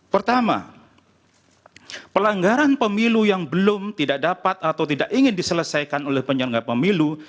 pertama pelanggaran pemilu yang belum tidak dapat atau tidak ingin diselesaikan oleh penyelenggara pemilu